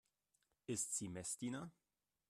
Ist sie Messdiener?